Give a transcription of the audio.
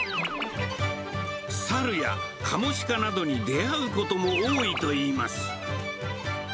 猿やカモシカなどに出会うことも多いといいます。